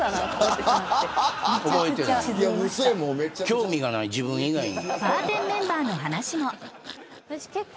興味がない自分以外に。